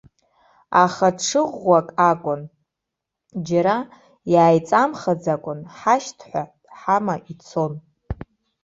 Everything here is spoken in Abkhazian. Аха ҽы ӷәӷәак акәын, џьара иааиҵамхаӡакәа ҳашьҭҳәа ҳама ицон.